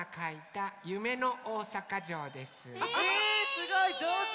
すごいじょうず！